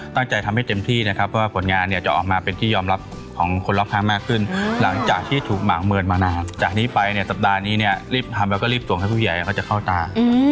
ทำให้เต็มที่นะครับเพราะว่าผลงานเนี่ยจะออกมาเป็นที่ยอมรับของคนรอบข้างมากขึ้นหลังจากที่ถูกหมางเมินมานานจากนี้ไปเนี่ยสัปดาห์นี้เนี่ยรีบทำแล้วก็รีบส่งให้ผู้ใหญ่เขาจะเข้าตา